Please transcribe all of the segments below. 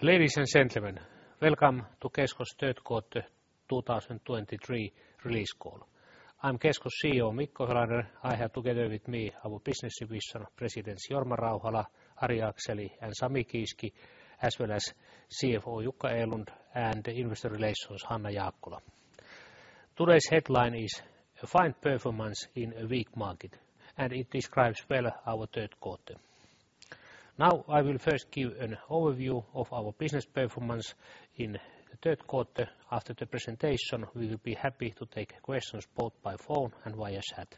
Ladies and gentlemen, welcome to Kesko's third quarter 2023 release call. I'm Kesko's CEO, Mikko Helander. I have together with me our business division presidents, Jorma Rauhala, Ari Akseli, and Sami Kiiski, as well as CFO, Jukka Erlund, and Investor Relations, Hanna Jaakkola. Today's headline is: A fine performance in a weak market, and it describes well our third quarter. Now, I will first give an overview of our business performance in the third quarter. After the presentation, we will be happy to take questions both by phone and via chat.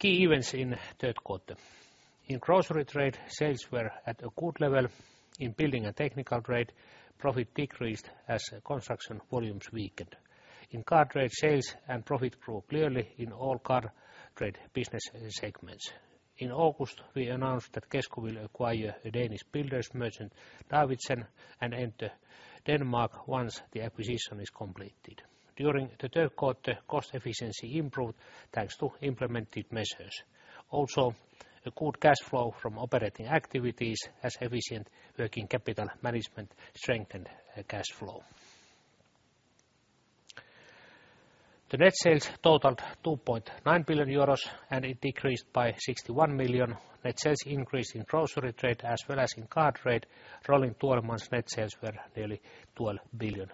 Key events in third quarter. In grocery trade, sales were at a good level. In building and technical trade, profit decreased as construction volumes weakened. In car trade, sales and profit grew clearly in all car trade business segments. In August, we announced that Kesko will acquire a Danish builders merchant, Davidsen, and enter Denmark once the acquisition is completed. During the third quarter, cost efficiency improved, thanks to implemented measures. Also, a good cash flow from operating activities, as efficient working capital management strengthened, cash flow. The net sales totaled 2.9 billion euros, and it decreased by 61 million. Net sales increased in grocery trade as well as in car trade. Rolling 12 months net sales were nearly EUR 12 billion.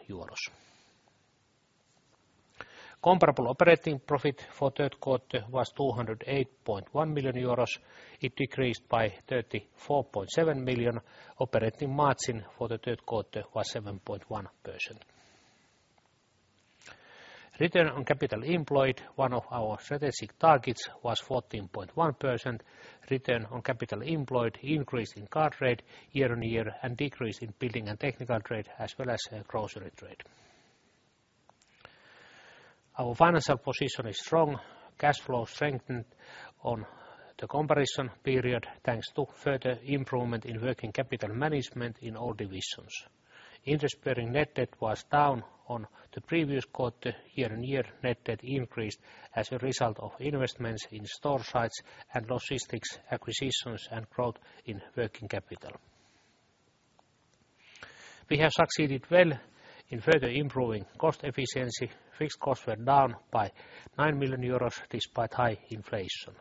Comparable operating profit for third quarter was 208.1 million euros. It decreased by 34.7 million. Operating margin for the third quarter was 7.1%. Return on capital employed, one of our strategic targets, was 14.1%. Return on capital employed increased in car trade year-over-year and decreased in building and technical trade, as well as in grocery trade. Our financial position is strong. Cash flow strengthened on the comparison period, thanks to further improvement in working capital management in all divisions. Interest bearing net debt was down on the previous quarter, year-over-year. Net debt increased as a result of investments in store sites and logistics, acquisitions, and growth in working capital. We have succeeded well in further improving cost efficiency. Fixed costs were down by 9 million euros, despite high inflation.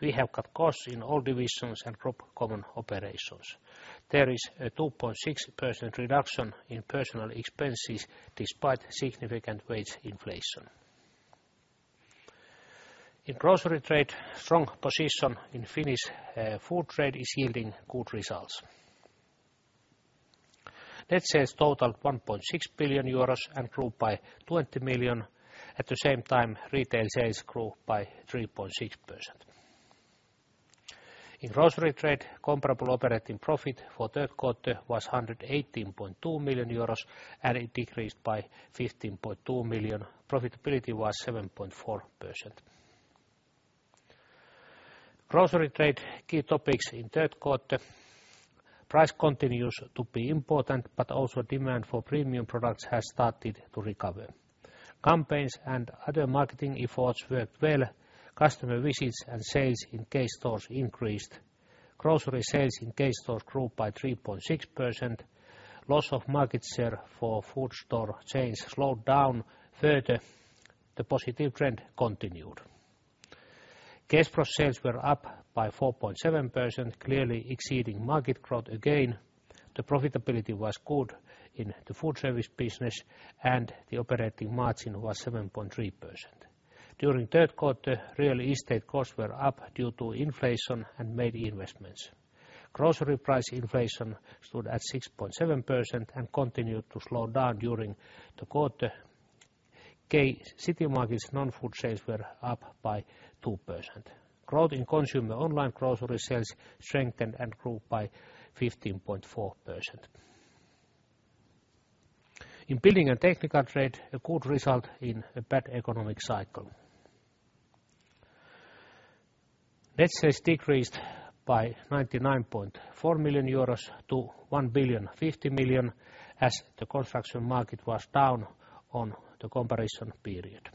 We have cut costs in all divisions and group common operations. There is a 2.6% reduction in personal expenses, despite significant wage inflation. In grocery trade, strong position in Finnish food trade is yielding good results. Net sales totaled 1.6 billion euros and grew by 20 million. At the same time, retail sales grew by 3.6%. In grocery trade, comparable operating profit for third quarter was 118.2 million euros, and it decreased by 15.2 million. Profitability was 7.4%. Grocery trade key topics in third quarter: price continues to be important, but also demand for premium products has started to recover. Campaigns and other marketing efforts worked well. Customer visits and sales in K stores increased. Grocery sales in K stores grew by 3.6%. Loss of market share for food store chains slowed down further. The positive trend continued. Kespro sales were up by 4.7%, clearly exceeding market growth again. The profitability was good in the food service business, and the operating margin was 7.3%. During third quarter, real estate costs were up due to inflation and made investments. Grocery price inflation stood at 6.7% and continued to slow down during the quarter. K-Citymarket's non-food sales were up by 2%. Growth in consumer online grocery sales strengthened and grew by 15.4%. In building and technical trade, a good result in a bad economic cycle. Net sales decreased by 99.4 million euros to 1,050 million, as the construction market was down on the comparison period.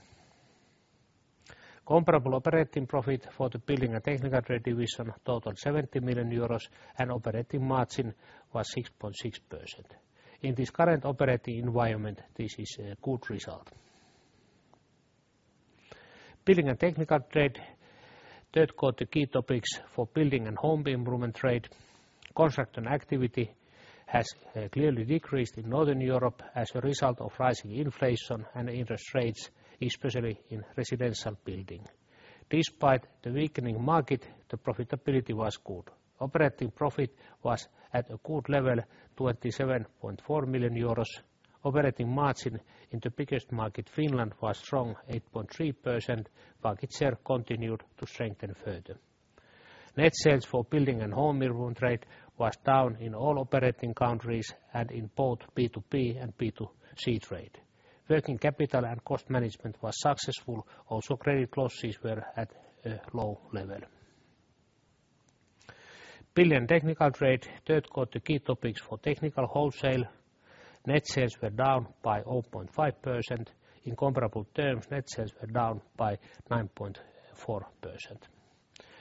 Comparable operating profit for the building and technical trade division totaled 70 million euros, and operating margin was 6.6%. In this current operating environment, this is a good result. Building and technical trade, third quarter key topics for building and home improvement trade: construction activity has clearly decreased in Northern Europe as a result of rising inflation and interest rates, especially in residential building. Despite the weakening market, the profitability was good. Operating profit was at a good level, 27.4 million euros. Operating margin in the biggest market, Finland, was strong, 8.3%. Market share continued to strengthen further. Net sales for building and home improvement trade was down in all operating countries and in both B2B and B2C trade. Working capital and cost management was successful. Also, credit losses were at a low level. Technical trade, third quarter key topics for technical wholesale. Net sales were down by 0.5%. In comparable terms, net sales were down by 9.4%.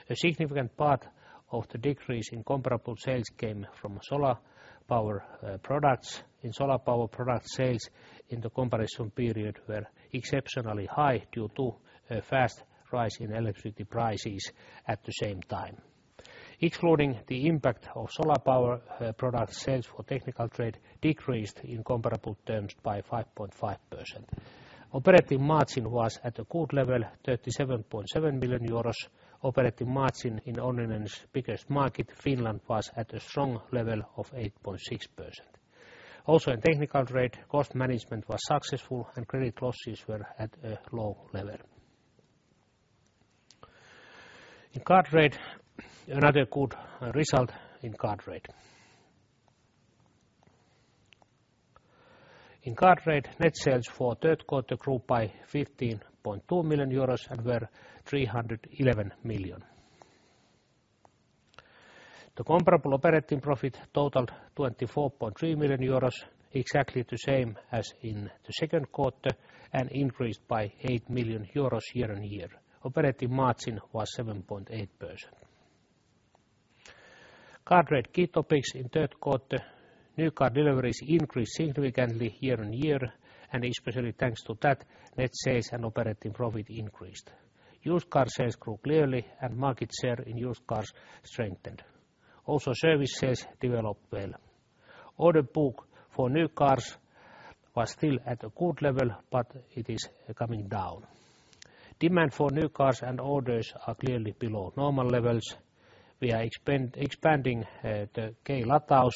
A significant part of the decrease in comparable sales came from solar power products. In solar power product sales in the comparison period were exceptionally high due to a fast rise in electricity prices at the same time. Excluding the impact of solar power product sales for technical trade decreased in comparable terms by 5.5%. Operating margin was at a good level, 37.7 million euros. Operating margin in Onninen's biggest market, Finland, was at a strong level of 8.6%. Also, in technical trade, cost management was successful and credit losses were at a low level. In car trade, another good result in car trade. In car trade, net sales for third quarter grew by 15.2 million euros and were 311 million. The comparable operating profit totaled 24.3 million euros, exactly the same as in the second quarter, and increased by 8 million euros year-over-year. Operating margin was 7.8%. Car trade key topics in third quarter: new car deliveries increased significantly year-over-year, and especially thanks to that, net sales and operating profit increased. Used car sales grew clearly, and market share in used cars strengthened. Also, service sales developed well. Order book for new cars was still at a good level, but it is coming down. Demand for new cars and orders are clearly below normal levels. We are expanding the K-Lataus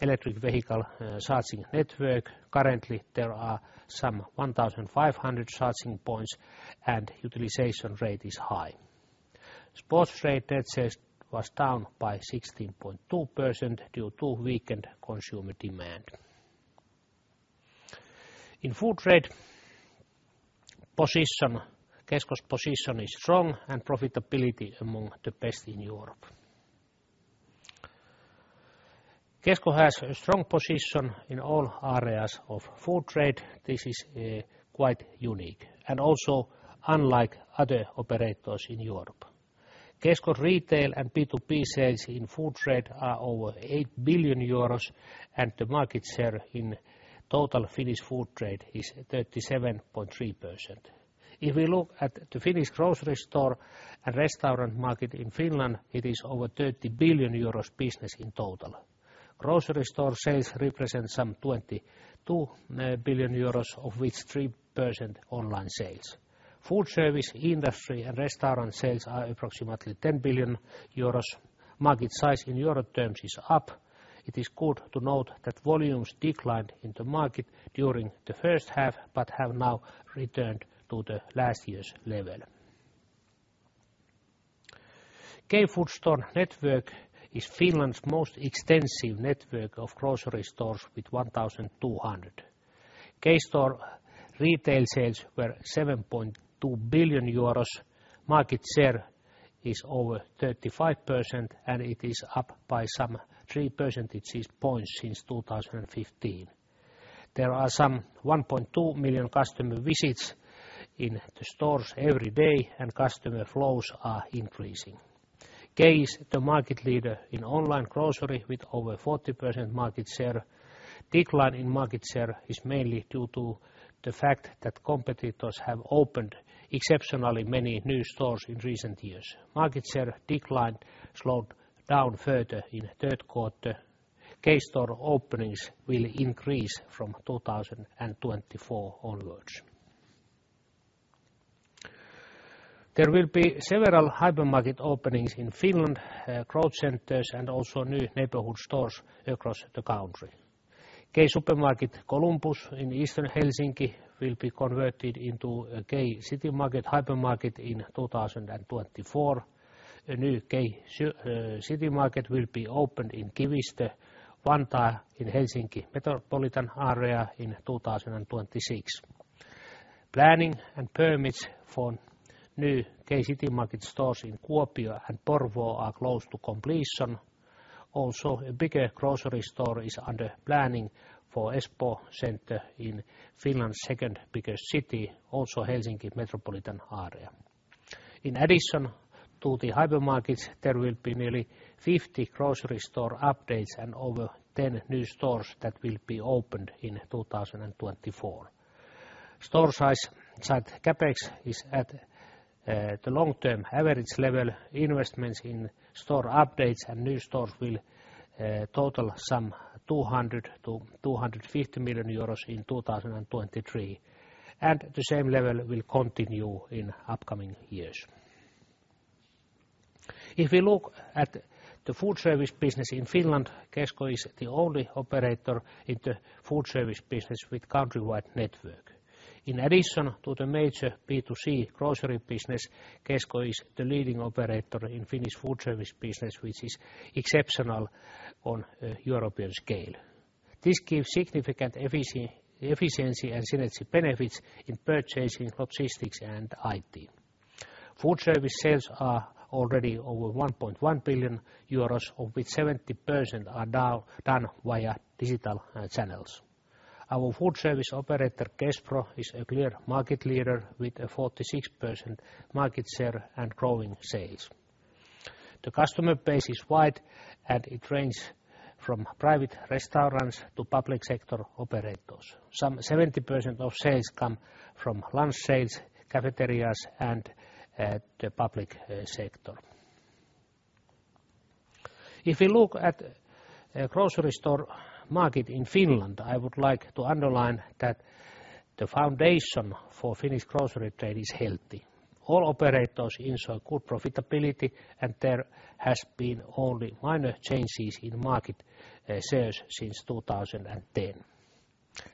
electric vehicle charging network. Currently, there are some 1,500 charging points, and utilization rate is high. Sports trade net sales was down by 16.2% due to weakened consumer demand. In food trade position, Kesko's position is strong and profitability among the best in Europe. Kesko has a strong position in all areas of food trade. This is quite unique and also unlike other operators in Europe. Kesko retail and B2B sales in food trade are over 8 billion euros, and the market share in total Finnish food trade is 37.3%. If we look at the Finnish grocery store and restaurant market in Finland, it is over 30 billion euros business in total. Grocery store sales represent some 22 billion euros, of which 3% online sales. Food service, industry, and restaurant sales are approximately 10 billion euros. Market size in euro terms is up. It is good to note that volumes declined in the market during the first half, but have now returned to the last year's level. K Food store network is Finland's most extensive network of grocery stores with 1,200. K Store retail sales were 7.2 billion euros. Market share is over 35%, and it is up by some three percentage points since 2015. There are some 1.2 million customer visits in the stores every day, and customer flows are increasing. K is the market leader in online grocery, with over 40% market share. Decline in market share is mainly due to the fact that competitors have opened exceptionally many new stores in recent years. Market share decline slowed down further in third quarter. K Store openings will increase from 2024 onwards. There will be several hypermarket openings in Finland, growth centers and also new neighborhood stores across the country. K-Supermarket Columbus in eastern Helsinki will be converted into a K-Citymarket hypermarket in 2024. A new K-Citymarket will be opened in Kivistö, Vantaa in Helsinki metropolitan area in 2026. Planning and permits for new K-Citymarket stores in Kuopio and Porvoo are close to completion. Also, a bigger grocery store is under planning for Espoo Center in Finland's second biggest city, also Helsinki metropolitan area. In addition to the hypermarkets, there will be nearly 50 grocery store updates and over 10 new stores that will be opened in 2024. Store size, site CapEx is at the long-term average level. Investments in store updates and new stores will total some 200 million-250 million euros in 2023, and the same level will continue in upcoming years. If we look at the food service business in Finland, Kesko is the only operator in the food service business with countrywide network. In addition to the major B2C grocery business, Kesko is the leading operator in Finnish food service business, which is exceptional on a European scale. This gives significant efficiency and synergy benefits in purchasing, logistics, and IT. Food service sales are already over 1.1 billion euros, of which 70% are now done via digital channels. Our food service operator, Kespro, is a clear market leader with a 46% market share and growing sales. The customer base is wide, and it ranges from private restaurants to public sector operators. Some 70% of sales come from lunch sales, cafeterias, and the public sector. If we look at grocery store market in Finland, I would like to underline that the foundation for Finnish grocery trade is healthy. All operators ensure good profitability, and there has been only minor changes in market shares since 2010.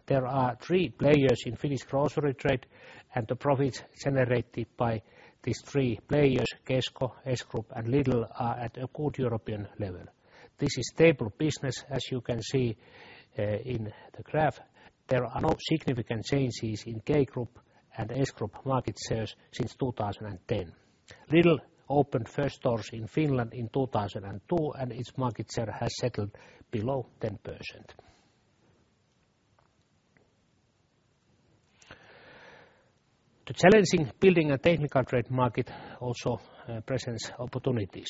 There are three players in Finnish grocery trade, and the profits generated by these three players, Kesko, S-Group, and Lidl, are at a good European level. This is stable business, as you can see in the graph. There are no significant changes in K Group and S-Group market shares since 2010. Lidl opened first stores in Finland in 2002, and its market share has settled below 10%. The challenging building and technical trade market also presents opportunities.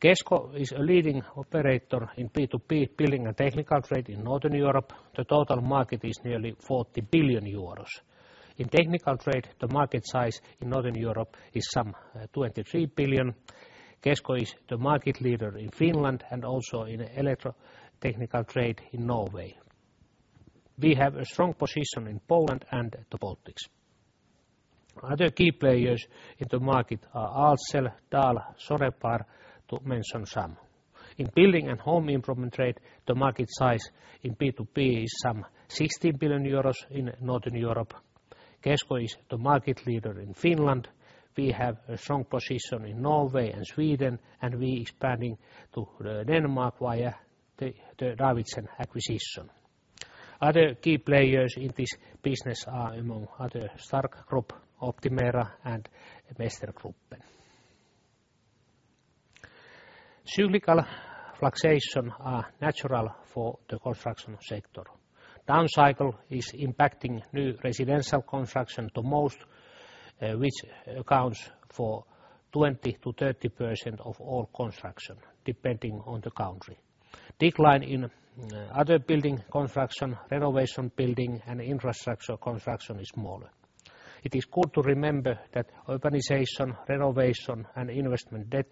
Kesko is a leading operator in B2B, building and technical trade in Northern Europe. The total market is nearly 40 billion euros. In technical trade, the market size in Northern Europe is some twenty-three billion. Kesko is the market leader in Finland and also in electro technical trade in Norway. We have a strong position in Poland and the Baltics. Other key players in the market are Ahlsell, Dahl, Sonepar, to mention some. In building and home improvement trade, the market size in B2B is some 16 billion euros in Northern Europe. Kesko is the market leader in Finland. We have a strong position in Norway and Sweden, and we expanding to Denmark via the Davidsen acquisition. Other key players in this business are, among other, Stark Group, Optimera, and Mestergruppen. Cyclical fluctuation are natural for the construction sector. Down cycle is impacting new residential construction the most, which accounts for 20%-30% of all construction, depending on the country. Decline in other building construction, renovation building, and infrastructure construction is smaller. It is good to remember that urbanization, renovation, and investment debt,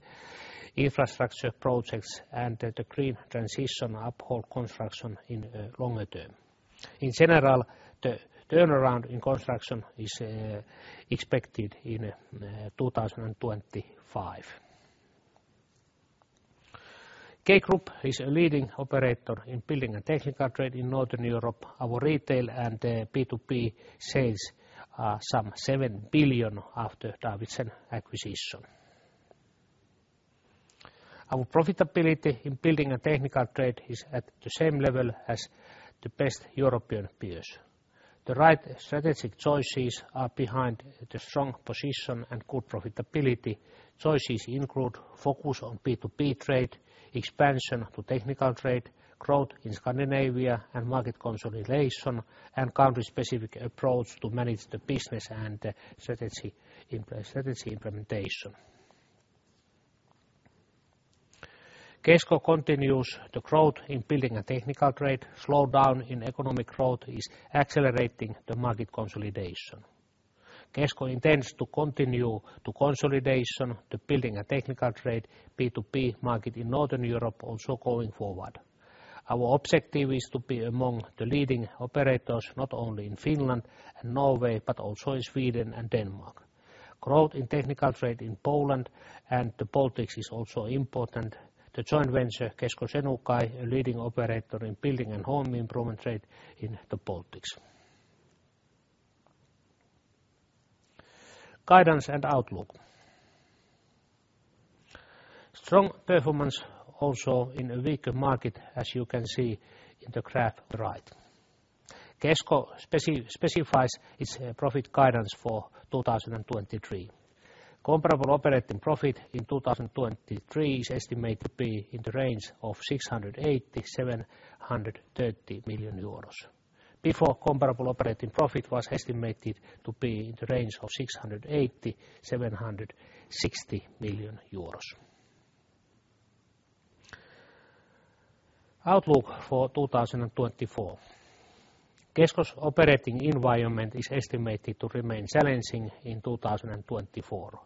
infrastructure projects, and the green transition uphold construction in longer term. In general, the turnaround in construction is expected in 2025. K Group is a leading operator in building and technical trade in Northern Europe. Our retail and the B2B sales are some 7 billion after Davidsen acquisition. Our profitability in building and technical trade is at the same level as the best European peers. The right strategic choices are behind the strong position and good profitability. Choices include focus on B2B trade, expansion to technical trade, growth in Scandinavia, and market consolidation, and country-specific approach to manage the business and strategy implementation. Kesko continues the growth in building and technical trade. Slowdown in economic growth is accelerating the market consolidation. Kesko intends to continue to consolidation to building and technical trade, B2B market in Northern Europe also going forward. Our objective is to be among the leading operators, not only in Finland and Norway, but also in Sweden and Denmark. Growth in technical trade in Poland and the Baltics is also important. The joint venture, Kesko Senukai, a leading operator in building and home improvement trade in the Baltics. Guidance and outlook. Strong performance also in a weaker market, as you can see in the graph, right. Kesko specifies its profit guidance for 2023. Comparable operating profit in 2023 is estimated to be in the range of 680 million-730 million euros. Before, comparable operating profit was estimated to be in the range of 680 million-760 million euros. Outlook for 2024. Kesko's operating environment is estimated to remain challenging in 2024.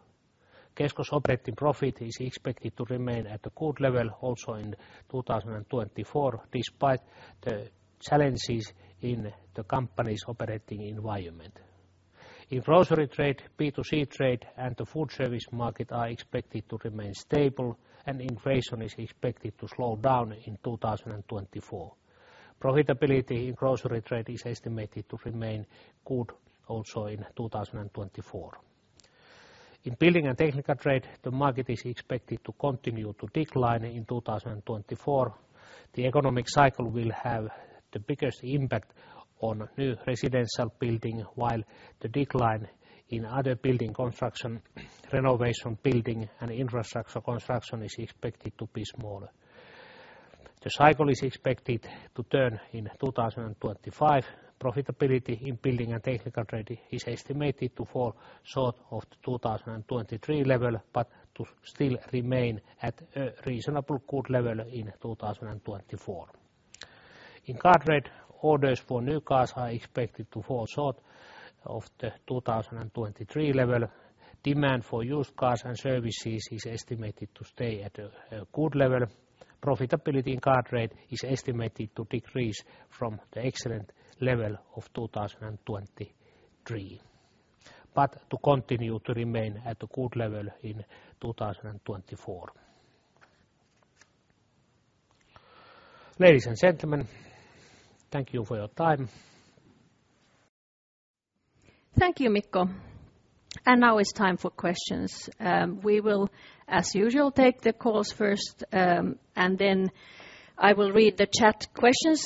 Kesko's operating profit is expected to remain at a good level also in 2024, despite the challenges in the company's operating environment. In grocery trade, B2C trade, and the food service market are expected to remain stable, and inflation is expected to slow down in 2024. Profitability in grocery trade is estimated to remain good also in 2024. In building and technical trade, the market is expected to continue to decline in 2024. The economic cycle will have the biggest impact on new residential building, while the decline in other building construction, renovation building, and infrastructure construction is expected to be smaller. The cycle is expected to turn in 2025. Profitability in building and technical trade is estimated to fall short of the 2023 level, but to still remain at a reasonably good level in 2024. In car trade, orders for new cars are expected to fall short of the 2023 level. Demand for used cars and services is estimated to stay at a good level. Profitability in car trade is estimated to decrease from the excellent level of 2023, but to continue to remain at a good level in 2024. Ladies and gentlemen, thank you for your time. Thank you, Mikko. Now it's time for questions. We will, as usual, take the calls first, and then I will read the chat questions.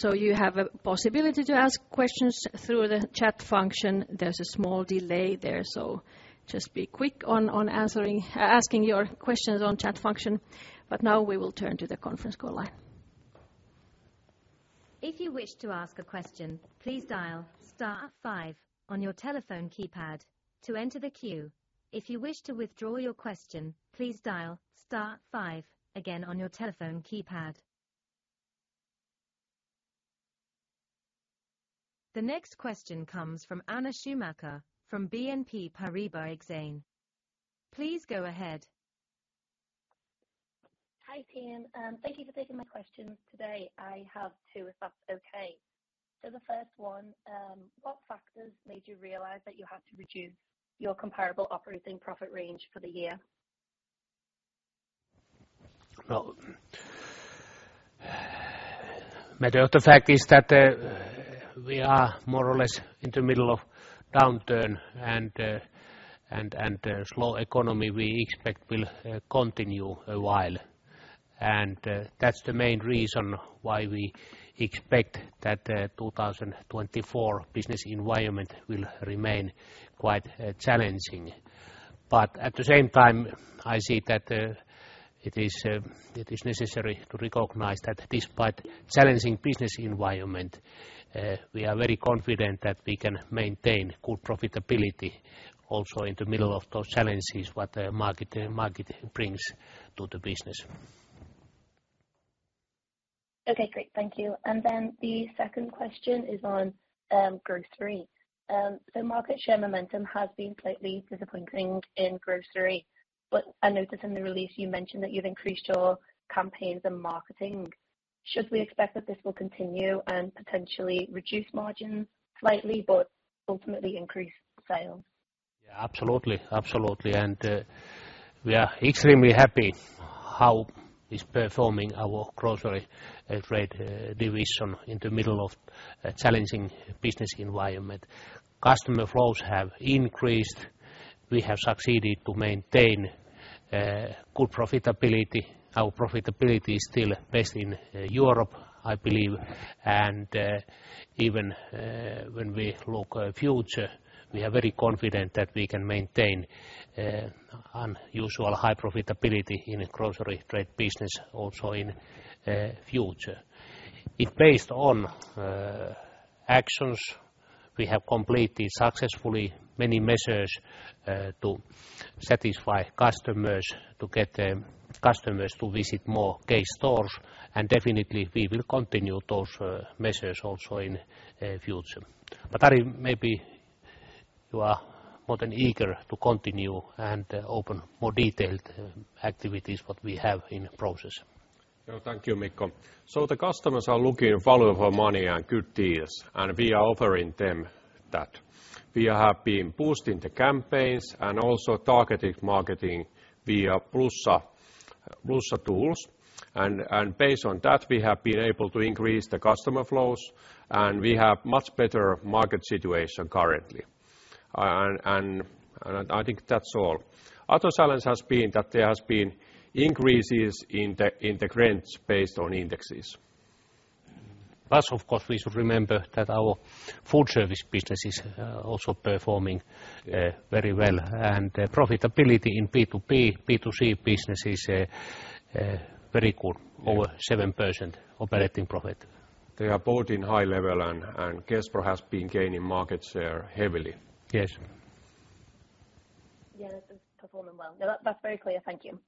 So you have a possibility to ask questions through the chat function. There's a small delay there, so just be quick on asking your questions on chat function. But now we will turn to the conference call line. If you wish to ask a question, please dial star five on your telephone keypad to enter the queue. If you wish to withdraw your question, please dial star five again on your telephone keypad. The next question comes from Anna Schumacher from BNP Paribas Exane. Please go ahead. Hi, team. Thank you for taking my questions today. I have two, if that's okay. So the first one, what factors made you realize that you had to reduce your comparable operating profit range for the year? Well, matter of the fact is that we are more or less in the middle of downturn, and the slow economy we expect will continue a while. And that's the main reason why we expect that 2024 business environment will remain quite challenging. But at the same time, I see that it is necessary to recognize that despite challenging business environment, we are very confident that we can maintain good profitability also in the middle of those challenges what the market brings to the business. Okay, great. Thank you. And then the second question is on grocery. So market share momentum has been slightly disappointing in grocery, but I noticed in the release you mentioned that you've increased your campaigns and marketing. Should we expect that this will continue and potentially reduce margins slightly, but ultimately increase sales? Yeah, absolutely. Absolutely. And we are extremely happy how is performing our grocery trade division in the middle of a challenging business environment. Customer flows have increased. We have succeeded to maintain good profitability. Our profitability is still best in Europe, I believe. And even when we look at future, we are very confident that we can maintain unusual high profitability in a grocery trade business also in future. It based on actions we have completed successfully many measures to satisfy customers, to get the customers to visit more K stores, and definitely we will continue those measures also in future. But Ari, maybe you are more than eager to continue and open more detailed activities, what we have in process. Yeah. Thank you, Mikko. So the customers are looking value for money and good deals, and we are offering them that. We have been boosting the campaigns and also targeted marketing via Plussa tools. And based on that, we have been able to increase the customer flows, and we have much better market situation currently. I think that's all. Other challenge has been that there has been increases in the, in the rents based on indexes. Plus, of course, we should remember that our food service business is also performing very well, and profitability in B2B, B2C business is very good, over 7% operating profit. They are both in high level and Kespro has been gaining market share heavily. Yes. Yeah, this is performing well. No, that, that's very clear. Thank you.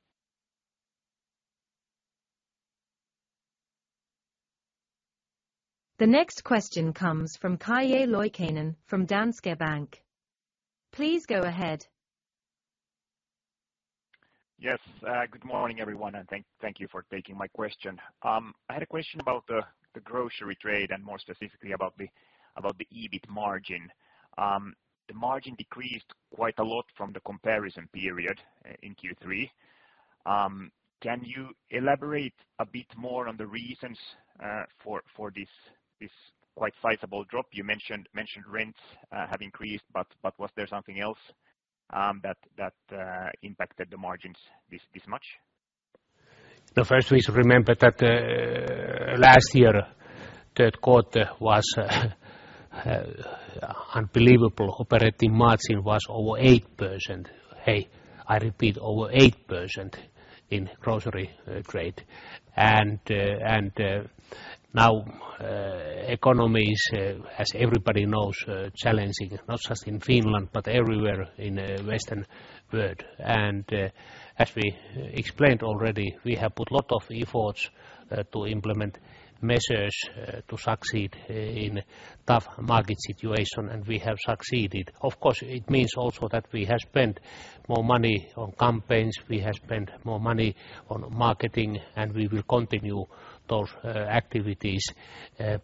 The next question comes from Calle Loikkanen from Danske Bank. Please go ahead. Yes, good morning, everyone, and thank you for taking my question. I had a question about the grocery trade and more specifically about the EBIT margin. The margin decreased quite a lot from the comparison period in Q3. Can you elaborate a bit more on the reasons for this quite sizable drop? You mentioned rents have increased, but was there something else that impacted the margins this much? The first reason, remember that last year, third quarter was unbelievable. Operating margin was over 8%. Hey, I repeat, over 8% in grocery trade. And now, economies, as everybody knows, challenging, not just in Finland, but everywhere in Western world. And as we explained already, we have put lot of efforts to implement measures to succeed in tough market situation, and we have succeeded. Of course, it means also that we have spent more money on campaigns, we have spent more money on marketing, and we will continue those activities.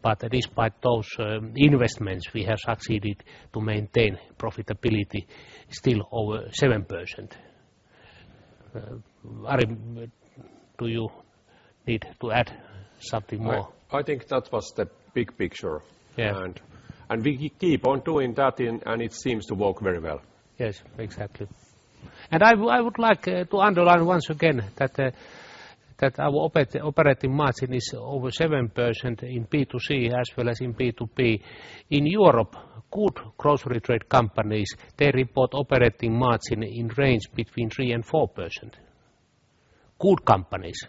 But despite those investments, we have succeeded to maintain profitability still over 7%. Ari, do you need to add something more? I think that was the big picture. Yeah. We keep on doing that, and it seems to work very well. Yes, exactly. And I would like to underline once again that that our operating margin is over 7% in B2C as well as in B2B. In Europe, good grocery trade companies, they report operating margin in range between 3%-4%. Good companies.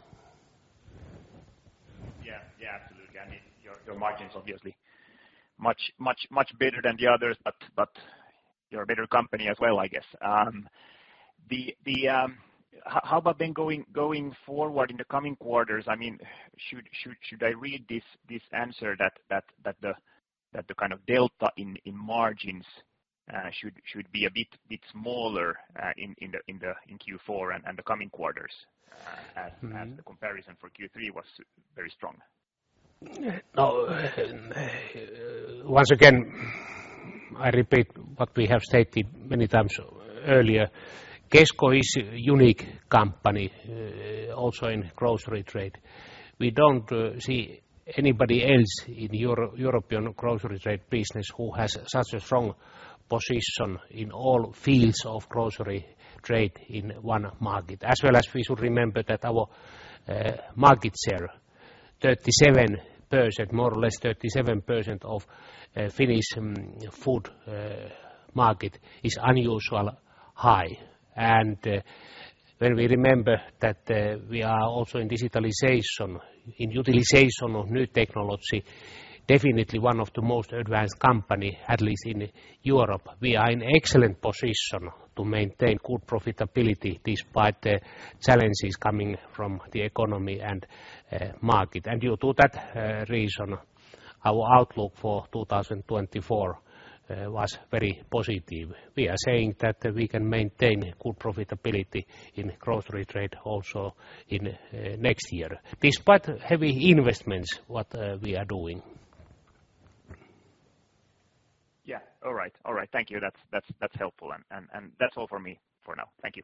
Yeah, yeah, absolutely. I mean, your margin is obviously much, much, much better than the others, but you're a better company as well, I guess. How about then going forward in the coming quarters? I mean, should I read this answer that the kind of delta in margins should be a bit smaller in Q4 and the coming quarters? Mm-hmm As the comparison for Q3 was very strong? Yeah. Oh, once again, I repeat what we have stated many times earlier: Kesko is a unique company, also in grocery trade. We don't see anybody else in European grocery trade business who has such a strong position in all fields of grocery trade in one market. As well as we should remember that our market share, 37%, more or less 37% of Finnish food market, is unusually high. When we remember that, we are also in digitalization, in utilization of new technology, definitely one of the most advanced company, at least in Europe. We are in excellent position to maintain good profitability despite the challenges coming from the economy and market. Due to that reason, our outlook for 2024 was very positive. We are saying that we can maintain good profitability in grocery trade also in next year, despite heavy investments, what we are doing. Yeah. All right, all right. Thank you. That's helpful. And that's all for me for now. Thank you.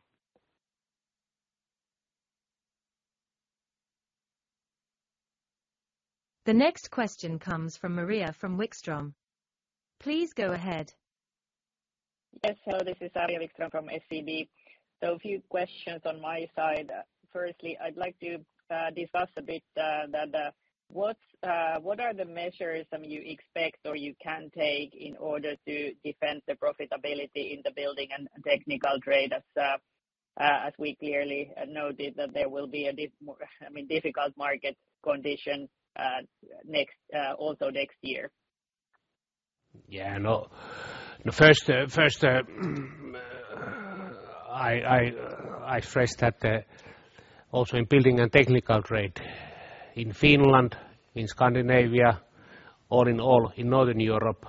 The next question comes from Maria Wikstrom from SEB. Please go ahead. Yes, so this is Maria Wikström from SEB. So a few questions on my side. Firstly, I'd like to discuss a bit that what's what are the measures you expect or you can take in order to defend the profitability in the building and technical trade as as we clearly noted that there will be a dif- I mean, difficult market condition next also next year? Yeah, no. The first, I stress that also in building and technical trade in Finland, in Scandinavia, all in all, in Northern Europe,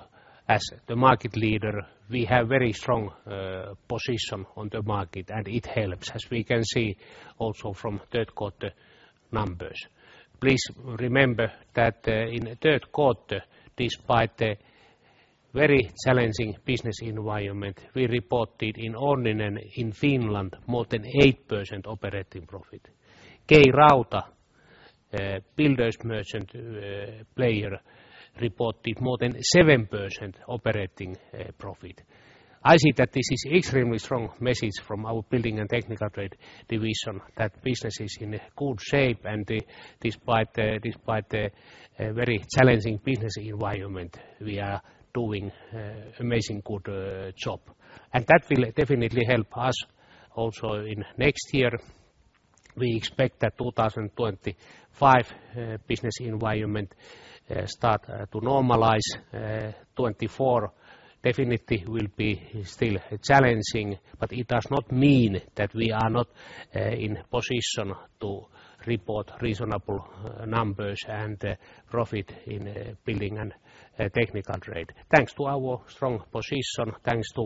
as the market leader, we have very strong position on the market, and it helps, as we can see also from third quarter numbers. Please remember that in the third quarter, despite the very challenging business environment, we reported in Onninen, in Finland, more than 8% operating profit. K-Rauta, builders merchant, player, reported more than 7% operating profit. I see that this is extremely strong message from our building and technical trade division, that business is in a good shape, and despite the very challenging business environment, we are doing an amazing, good job. And that will definitely help us also in next year. We expect that 2025 business environment start to normalize. 2024 definitely will be still challenging, but it does not mean that we are not in position to report reasonable numbers and profit in building and technical trade, thanks to our strong position, thanks to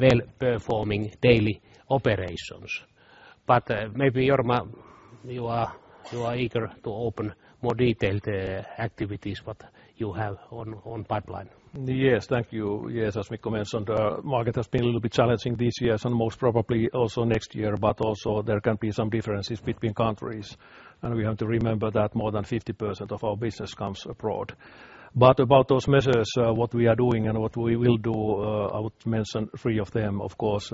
well-performing daily operations. But maybe Jorma, you are, you are eager to open more detailed activities what you have on pipeline. Yes. Thank you. Yes, as Mikko mentioned, the market has been a little bit challenging this year, and most probably also next year, but also there can be some differences between countries. And we have to remember that more than 50% of our business comes abroad. But about those measures, what we are doing and what we will do, I would mention three of them. Of course,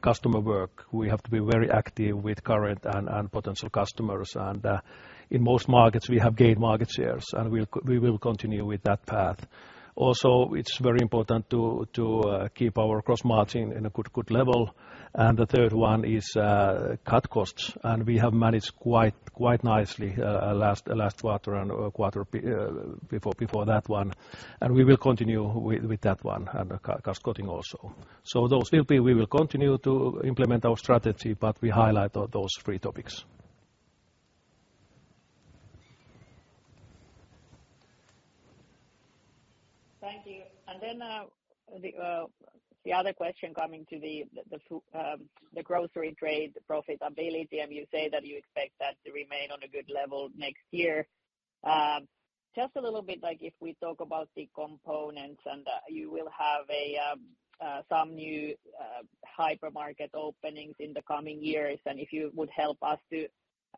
customer work, we have to be very active with current and potential customers, and in most markets we have gained market shares, and we will continue with that path. Also, it's very important to keep our cross-margin in a good level. And the third one is cut costs, and we have managed quite nicely last quarter and a quarter before that one. We will continue with that one, and cut costs, cutting also. So those will be, we will continue to implement our strategy, but we highlight on those three topics. Thank you. And then, the other question coming to the grocery trade profitability, and you say that you expect that to remain on a good level next year. Just a little bit like if we talk about the components, and you will have some new hypermarket openings in the coming years. And if you would help us to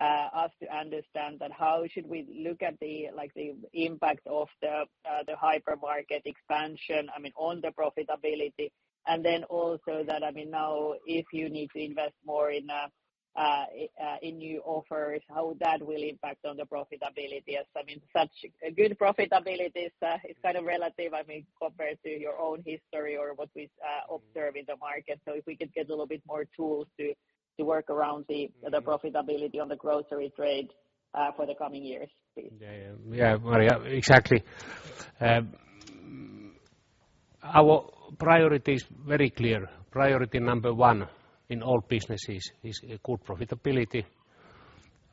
understand that how should we look at the, like, the impact of the hypermarket expansion, I mean, on the profitability? And then also that, I mean, now, if you need to invest more in new offers, how that will impact on the profitability. As, I mean, such a good profitability is kind of relative, I mean, compared to your own history or what we observe in the market. If we could get a little bit more tools to work around the- Mm-hmm the profitability on the grocery trade, for the coming years, please. Yeah, yeah. Yeah, Maria, exactly. Our priority is very clear. Priority number one in all businesses is a good profitability,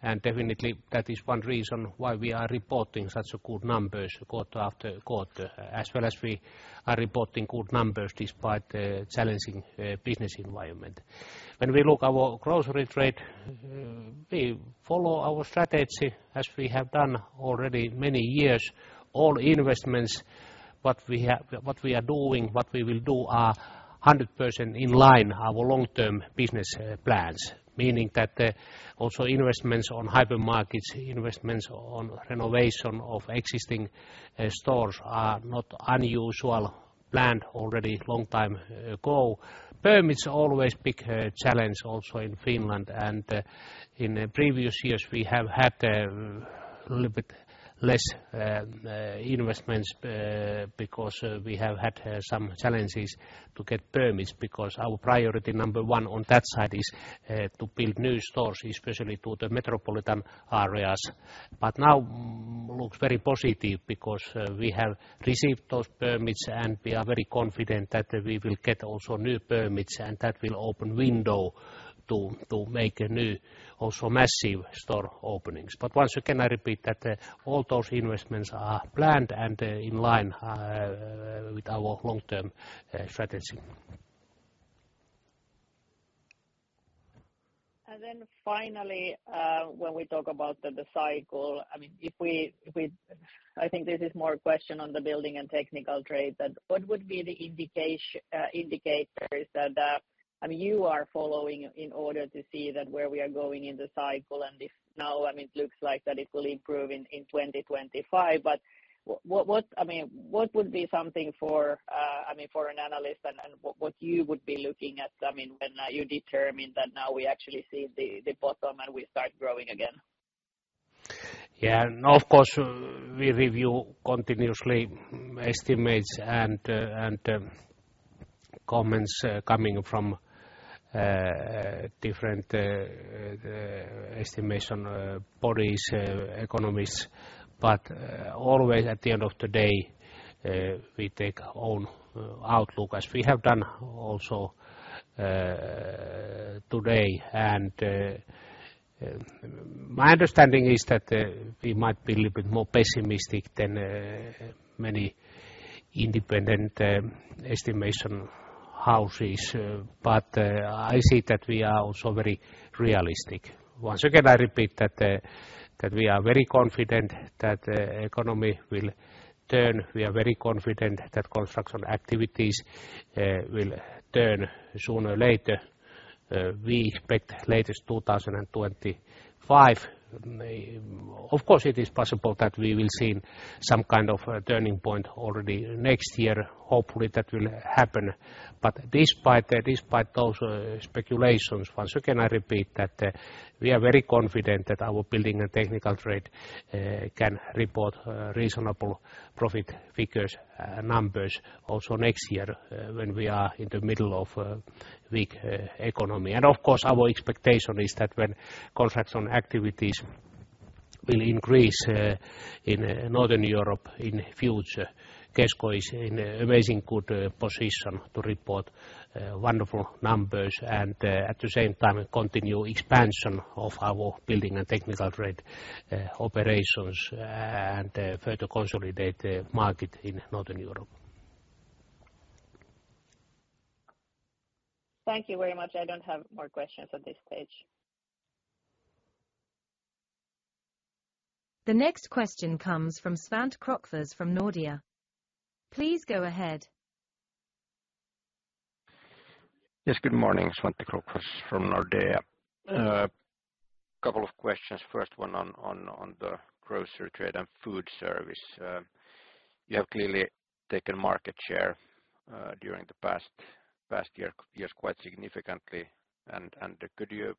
and definitely that is one reason why we are reporting such a good numbers quarter after quarter, as well as we are reporting good numbers despite the challenging business environment. When we look our grocery trade, we follow our strategy as we have done already many years. All investments, what we are doing, what we will do are 100% in line our long-term business plans. Meaning that, also investments on hypermarkets, investments on renovation of existing stores are not unusual, planned already long time ago. Permits always big challenge also in Finland, and, in the previous years, we have had little bit less investments because we have had some challenges to get permits. Because our priority number one on that side is to build new stores, especially to the metropolitan areas. But now looks very positive because we have received those permits, and we are very confident that we will get also new permits, and that will open window to make a new, also massive store openings. But once again, I repeat that all those investments are planned and in line with our long-term strategy. And then finally, when we talk about the cycle, I mean, if we, if we. I think this is more a question on the building and technical trade, that what would be the indicators that, I mean, you are following in order to see that where we are going in the cycle? And if now, I mean, it looks like that it will improve in 2025, but what, what I mean, what would be something for, I mean, for an analyst, and what you would be looking at, I mean, when you determine that now we actually see the bottom and we start growing again? Yeah, and of course, we review continuously estimates and comments coming from different estimation bodies, economists. But always at the end of the day, we take our own outlook, as we have done also today. And my understanding is that we might be a little bit more pessimistic than many independent estimation houses, but I see that we are also very realistic. Once again, I repeat that we are very confident that the economy will turn. We are very confident that construction activities will turn sooner or later, we expect latest 2025. Of course, it is possible that we will see some kind of a turning point already next year. Hopefully, that will happen. But despite those speculations, once again, I repeat that we are very confident that our building and technical trade can report reasonable profit figures, numbers also next year, when we are in the middle of a weak economy. And of course, our expectation is that when construction activities will increase in Northern Europe in future, Kesko is in a amazing good position to report wonderful numbers and, at the same time, continue expansion of our building and technical trade operations and further consolidate the market in Northern Europe. Thank you very much. I don't have more questions at this stage. The next question comes from Svante Krokfors from Nordea. Please go ahead. Yes, good morning. Svante Krokfors from Nordea. Couple of questions. First one on the grocery trade and food service. You have clearly taken market share during the past years quite significantly. And could you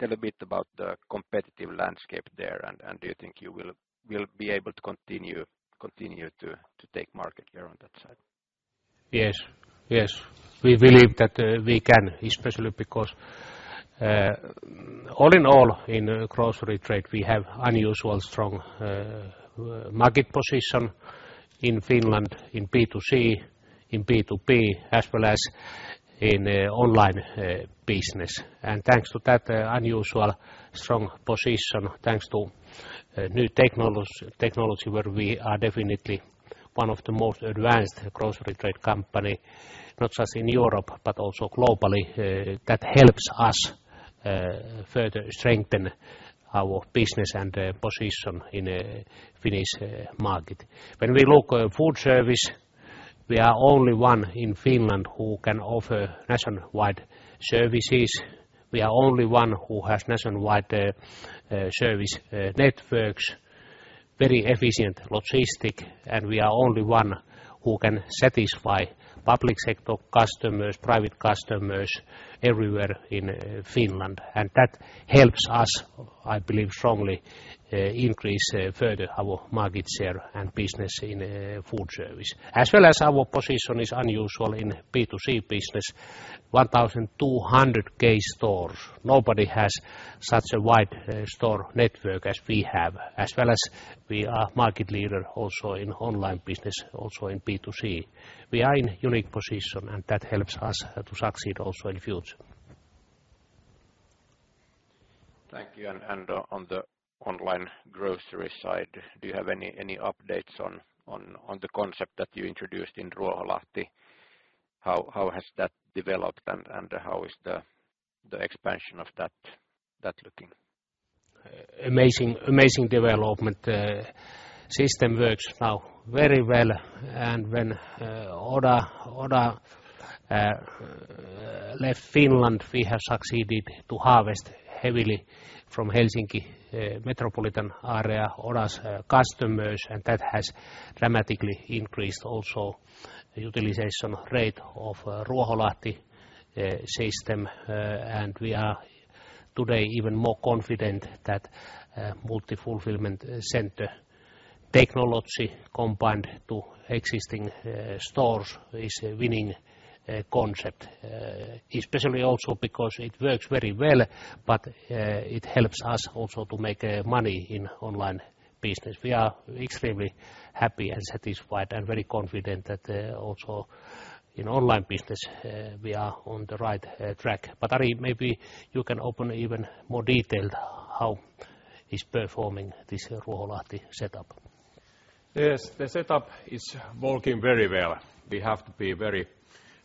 tell a bit about the competitive landscape there? And do you think you will be able to continue to take market share on that side? Yes, yes. We believe that we can, especially because all in all, in grocery trade, we have unusually strong market position in Finland, in B2C, in B2B, as well as in online business. And thanks to that unusually strong position, thanks to new technology, where we are definitely one of the most advanced grocery trade companies, not just in Europe, but also globally, that helps us further strengthen our business and position in the Finnish market. When we look at food service, we are the only one in Finland who can offer nationwide services. We are the only one who has nationwide service networks, very efficient logistics, and we are the only one who can satisfy public sector customers, private customers everywhere in Finland. And that helps us, I believe, strongly, increase further our market share and business in food service. As well as our position is unusual in B2C business, 1,200 K stores. Nobody has such a wide store network as we have, as well as we are market leader also in online business, also in B2C. We are in unique position, and that helps us to succeed also in future. Thank you. And on the online grocery side, do you have any updates on the concept that you introduced in Ruoholahti? How has that developed, and how is the expansion of that looking? Amazing, amazing development. System works now very well, and when Oda, Oda, left Finland, we have succeeded to harvest heavily from Helsinki metropolitan area, Oda's customers, and that has dramatically increased also utilization rate of Ruoholahti system. We are today even more confident that multi-fulfillment center technology, combined to existing stores, is a winning concept. Especially also because it works very well, but it helps us also to make money in online business. We are extremely happy and satisfied and very confident that also in online business we are on the right track. But, Ari, maybe you can open even more detailed, how is performing this Ruoholahti setup. Yes, the setup is working very well. We have to be very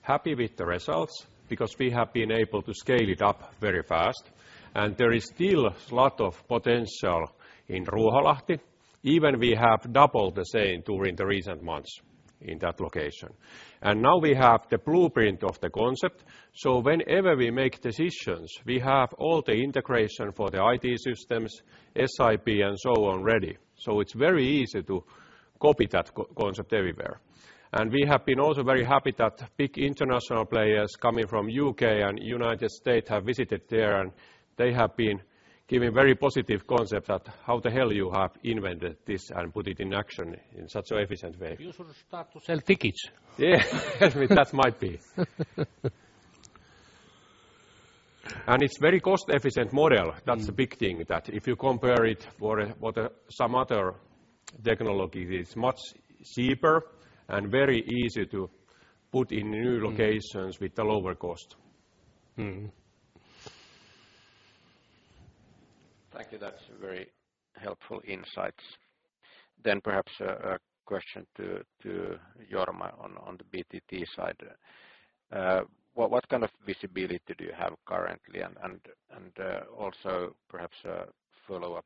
happy with the results because we have been able to scale it up very fast, and there is still a lot of potential in Ruoholahti. Even we have doubled the same during the recent months in that location. Now we have the blueprint of the concept, so whenever we make decisions, we have all the integration for the IT systems, SAP, and so on ready. It's very easy to copy that co-concept everywhere. We have been also very happy that big international players coming from UK and United States have visited there, and they have been giving very positive concept at how the hell you have invented this and put it in action in such an efficient way. You should start to sell tickets. Yeah, that might be. And it's very cost-efficient model. Mm. That's the big thing, that if you compare it for some other technology, it's much cheaper and very easy to put in new locations- Mm. with a lower cost. Mm-hmm. Thank you. That's very helpful insights. Then perhaps a question to Jorma on the BTT side. What kind of visibility do you have currently? And also perhaps a follow-up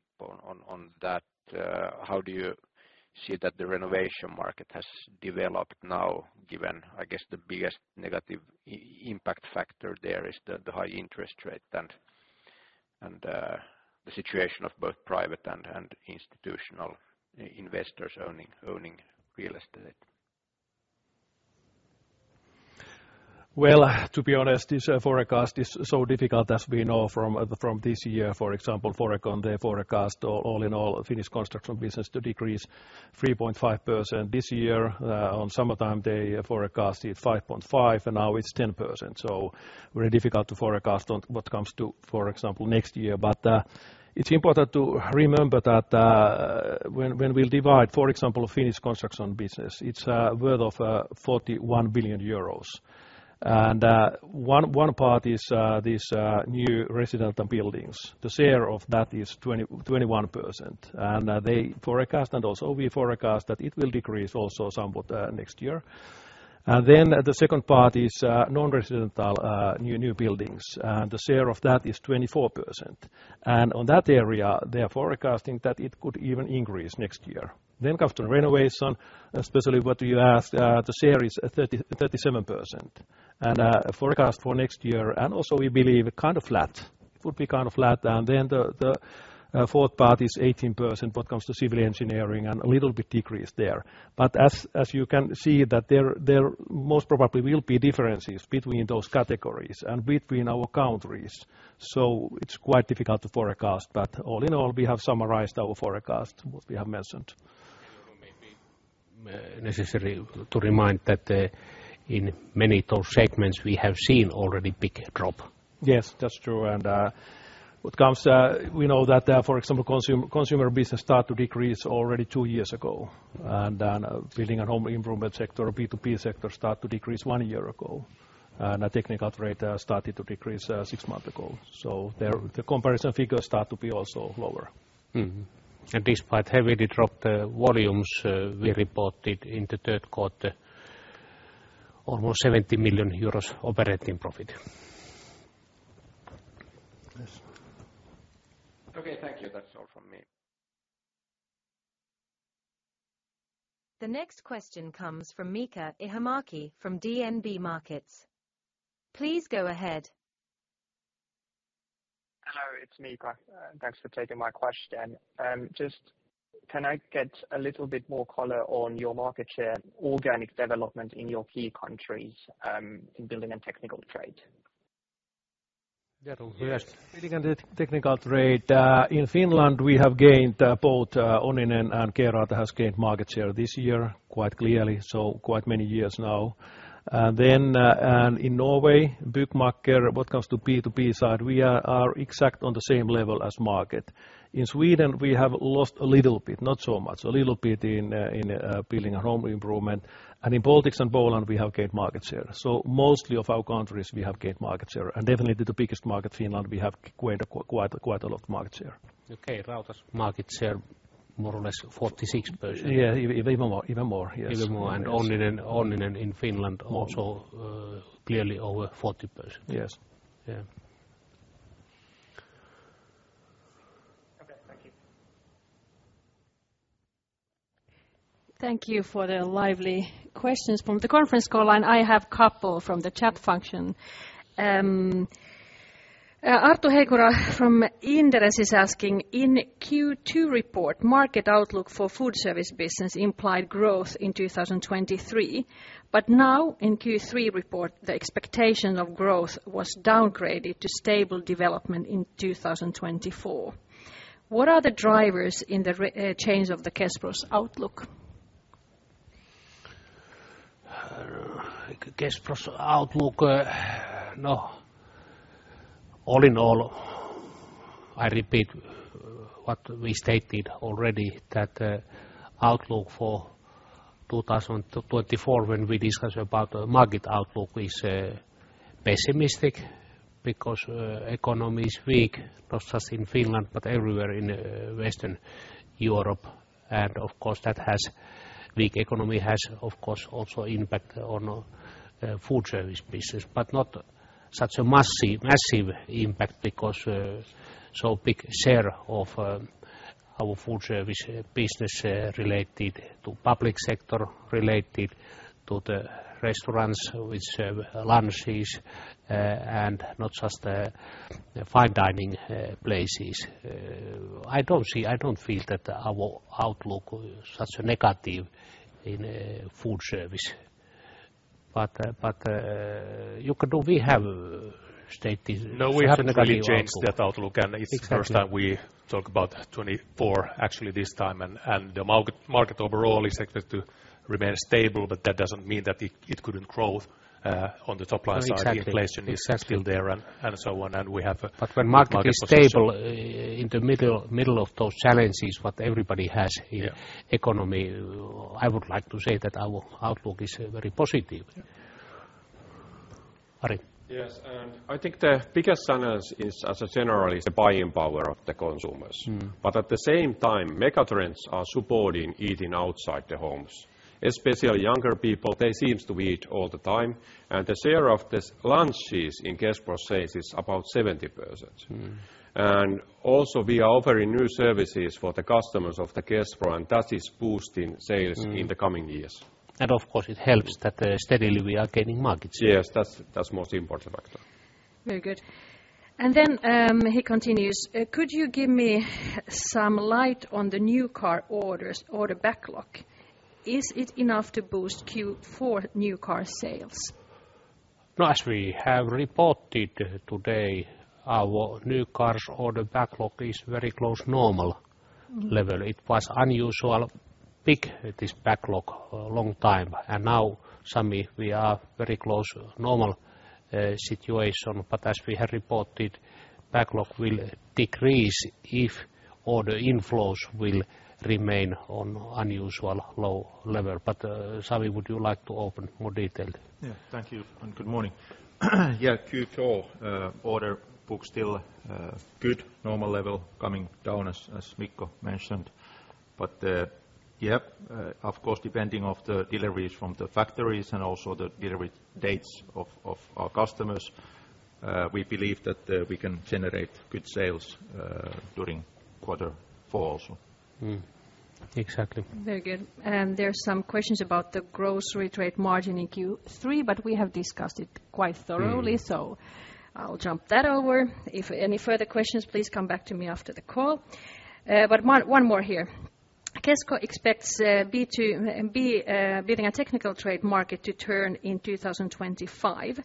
on that, how do you see that the renovation market has developed now, given, I guess, the biggest negative impact factor there is the high interest rate and the situation of both private and institutional investors owning real estate? Well, to be honest, this forecast is so difficult, as we know from this year, for example, the forecast all in all, Finnish construction business to decrease 3.5% this year. On summertime, they forecast it 5.5, and now it's 10%, so very difficult to forecast on what comes to, for example, next year. But it's important to remember that, when we'll divide, for example, Finnish construction business, it's worth of 41 billion euros. And one part is this new residential buildings. The share of that is 21%, and they forecast and also we forecast that it will decrease also somewhat next year. And then the second part is non-residential new buildings. The share of that is 24%. On that area, they are forecasting that it could even increase next year. Then come to renovation, especially what you asked, the share is 37%. And forecast for next year, and also we believe kind of flat, it would be kind of flat. And then the fourth part is 18% when it comes to civil engineering, and a little bit decrease there. But as you can see that there most probably will be differences between those categories and between our countries. So it's quite difficult to forecast. But all in all, we have summarized our forecast, what we have mentioned. It may be necessary to remind that, in many of those segments, we have seen already big drop. Yes, that's true, and what comes, we know that, for example, consumer business start to decrease already two years ago. And then building and home improvement sector, B2B sector, start to decrease one year ago. And our technical trade started to decrease, six months ago. So the comparison figures start to be also lower. Mm-hmm. And despite heavily dropped volumes, Yeah we reported in the third quarter almost EUR 70 million operating profit. Yes. Okay, thank you. That's all from me. The next question comes from Miika Ihamäki from DNB Markets. Please go ahead. Hello, it's Miika. Thanks for taking my question. Just, can I get a little bit more color on your market share, organic development in your key countries, in building and technical trade? Yeah, yes. Building and technical trade in Finland, we have gained both Onninen and K-Rauta has gained market share this year, quite clearly, so quite many years now. And then and in Norway, Byggmakker, what comes to B2B side, we are exact on the same level as market. In Sweden, we have lost a little bit, not so much, a little bit in building a home improvement. And in Baltics and Poland, we have gained market share. So mostly of our countries, we have gained market share. And definitely the biggest market, Finland, we have gained quite, quite a lot of market share. Okay, K-Rauta's market share, more or less 46%. Yeah, even more, even more, yes. Even more, and Onninen in Finland also clearly over 40%. Yes. Yeah. Okay, thank you. Thank you for the lively questions from the conference call line. I have couple from the chat function. Arttu Heikura from Inderes is asking, "In Q2 report, market outlook for food service business implied growth in 2023, but now in Q3 report, the expectation of growth was downgraded to stable development in 2024. What are the drivers in the change of the Kespro's outlook? Kespro's outlook, no. All in all, I repeat what we stated already, that outlook for 2024, when we discuss about the market outlook, is pessimistic because economy is weak, not just in Finland, but everywhere in Western Europe. And of course, that weak economy has, of course, also impact on food service business, but not such a massive, massive impact because so big share of our food service business related to public sector, related to the restaurants which serve lunches and not just fine dining places. I don't see, I don't feel that our outlook is such a negative in food service. But, but, Jukka, do we have stated- No, we haven't really changed that outlook- Exactly and it's the first time we talk about 2024, actually this time. And the market overall is expected to remain stable, but that doesn't mean that it couldn't grow on the top line side. Exactly. Inflation is still there, and so on, and we have- But when market is stable, in the middle of those challenges, what everybody has- Yeah in economy, I would like to say that our outlook is very positive. Yeah. Ari? Yes, and I think the biggest challenge is generally the buying power of the consumers. Mm. But at the same time, megatrends are supporting eating outside the homes. Especially younger people, they seems to eat all the time, and the share of this lunches in Kespro sales is about 70%. Mm. Also, we are offering new services for the customers of Kespro, and that is boosting sales- Mm in the coming years. Of course, it helps that steadily we are gaining market share. Yes, that's most important factor. Very good. And then, he continues: "Could you give me some light on the new car orders or the backlog? Is it enough to boost Q4 new car sales? As we have reported today, our new cars order backlog is very close to normal level. Mm. It was unusual peak, this backlog, a long time. And now, Sami, we are very close to normal situation. But as we have reported, backlog will decrease if order inflows will remain on unusual low level. But, Sami, would you like to open more detailed? Yeah. Thank you, and good morning. Yeah, Q4 order book still good, normal level, coming down as Mikko mentioned. But, yeah, of course, depending on the deliveries from the factories and also the delivery dates of our customers, we believe that we can generate good sales during quarter four also. Mm-hmm. Exactly. Very good. And there are some questions about the grocery trade margin in Q3, but we have discussed it quite thoroughly. Mm-hmm. So I'll jump that over. If any further questions, please come back to me after the call. But one more here. Kesko expects B2B building and technical trade market to turn in 2025.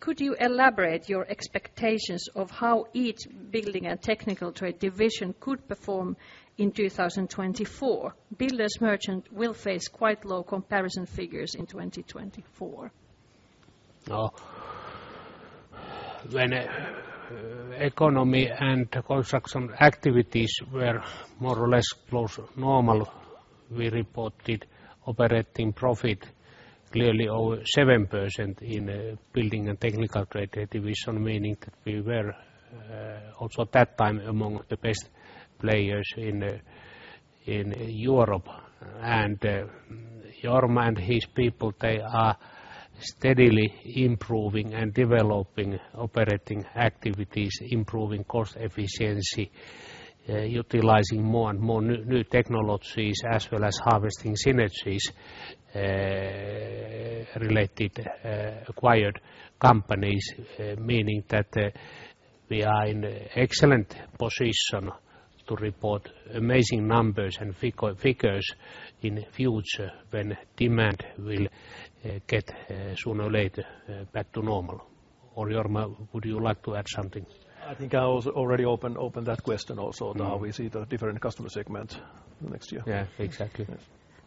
Could you elaborate your expectations of how each building and technical trade division could perform in 2024? Builders merchant will face quite low comparison figures in 2024. Oh, when economy and construction activities were more or less close to normal, we reported operating profit clearly over 7% in building and technical trade division, meaning that we were also at that time among the best players in Europe. And Jorma and his people, they are steadily improving and developing operating activities, improving cost efficiency, utilizing more and more new technologies, as well as harvesting synergies related acquired companies. Meaning that we are in excellent position to report amazing numbers and figures in future when demand will get sooner or later back to normal. Or Jorma, would you like to add something? I think I was already opened that question also. Now we see the different customer segment next year. Yeah, exactly.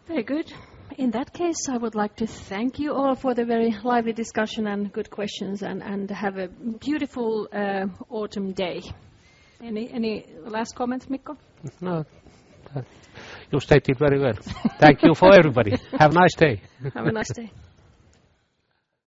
Very good. In that case, I would like to thank you all for the very lively discussion and good questions, and have a beautiful autumn day. Any last comments, Mikko? No. You stated very well. Thank you for everybody. Have a nice day. Have a nice day.